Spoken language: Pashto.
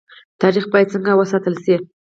تاریخ باید څنګه وساتل شي؟